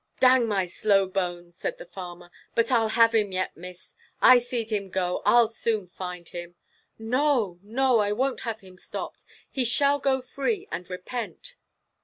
"Dang my slow bones," said the farmer, "but I'll have him yet, Miss. I seed him go, I'll soon find him." "No, no. I won't have him stopped. He shall go free, and repent."